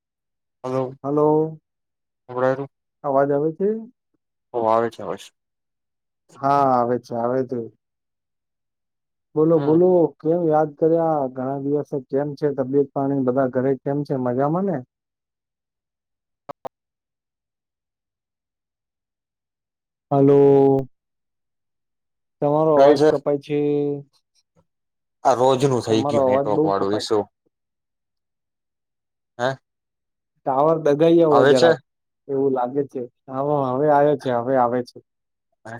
[inaudible] Hello અવાજ આવે હમ્મ હ આવે છે આવ છે હા આવે છે આવે તું બોલો હમ બોલો કેમ યાદ કર્યા ઘણા દિવસે કેમ છે તબિયત પાણી બધા ઘરે કે છે મજામાંને હલો તમારો અવાજ કપાય છે આ રોજ નું થઇ તમારો ગયું અવાજ બઉ નેટવર્ક વાળું કપાય છે. ઇસ્સુ હા ટાવર દગાઈ જવો જરાક એવું લાગે છે હ હવે આવે છે હવે આવે છે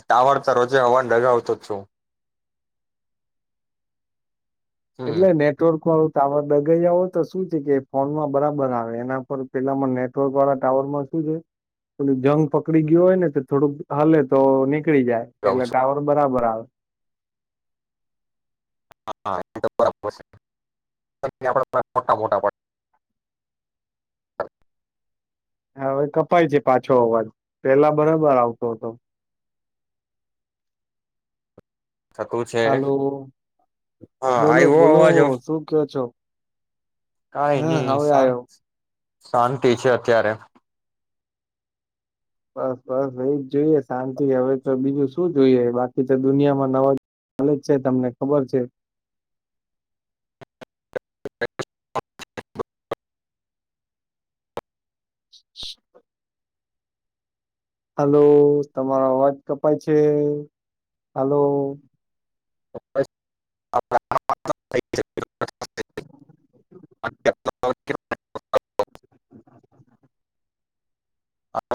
ટાવર તો રોજે હવાને ડગાવતો જ છું હમ એટલે નેટવર્ક વાળું ટાવર દગાઈયા હોય તો શું છે કે ફોનમાં બરાબર આવે એના પર પેલામાં નેટવર્ક વાળા ટાવર માં શું છે પેલું જંગ પકડી ગયો હોય ને તો થોડુંક હલે તો ની કળી જાય ગાવ એટલે છું ટાવર બરાબર આવે. [unintelligible] હવે કપાય છે પાછો અવાજ પેલા બરાબર આવતો હતો. થતું છે હલો હા બોલો આવ્યો બોલો અવાજ શું કેયો છો? કઈ હા નહી હવે આવ્યો શાંતિ શાંતિ છે અત્યારે બસ બસ એજ જોઈએ શાંતિ હવે તો બીજું શું જોઈએ બાકી તો દુનિયામાં નવા મળે છે તમને ખબર છે. [inaudible] હાલો તમારો અવાજ કપાય છે હાલો [inaudible] [inaudible]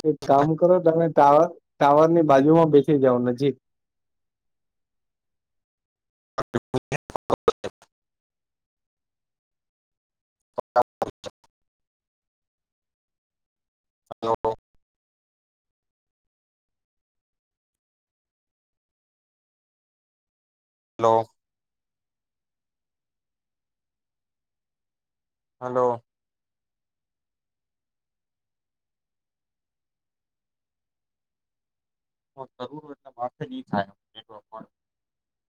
એક કામ કરો તમે ટાવર ટાવરની બાજુમાં બેસી જાવ નજીક. [inaudible] હલો. હલો. [unintelligible]